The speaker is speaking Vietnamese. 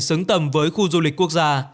xứng tầm với khu du lịch quốc gia